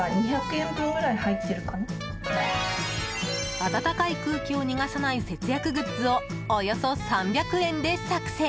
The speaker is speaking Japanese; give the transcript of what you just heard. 温かい空気を逃がさない節約グッズをおよそ３００円で作成。